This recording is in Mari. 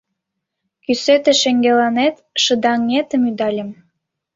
Кӱсото шеҥгеланет шыдаҥетым ӱдальым